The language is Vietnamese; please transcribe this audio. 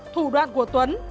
thủ đoạn của tuấn